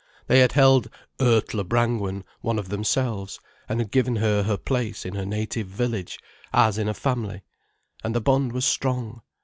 They had held "Urtler Brangwen" one of themselves, and had given her her place in her native village, as in a family. And the bond was strong.